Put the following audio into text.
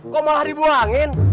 kok malah dibuangin